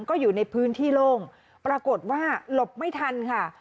ก็อยู่ในพื้นที่โล่งปรากฏว่าหลบไม่ทันค่ะ